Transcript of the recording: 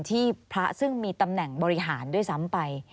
ที่พระซึ่งมีตำแหน่งบริหารด้วยซ้ำไป